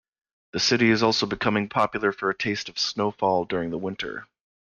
The city is also becoming popular for a taste of snowfall during the winter.